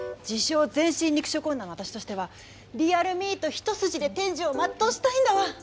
「全身肉食女」の私としてはリアルミート一筋で天寿を全うしたいんだわ。